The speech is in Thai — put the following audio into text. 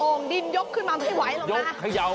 โอ่งดินยกขึ้นมาไม่ไหวลงนะ